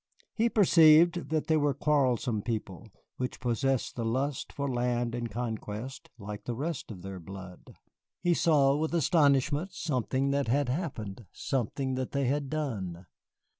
He perceived that they were a quarrelsome people, which possessed the lust for land and conquest like the rest of their blood. He saw with astonishment something that had happened, something that they had done.